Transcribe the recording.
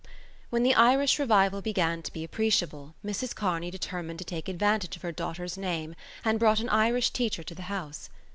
When the Irish Revival began to be appreciable Mrs Kearney determined to take advantage of her daughter's name and brought an Irish teacher to the house.